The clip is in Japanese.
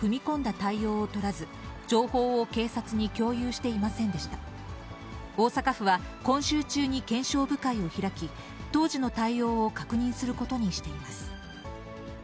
大阪府は今週中に検証部会を開き、当時の対応を確認することにしています。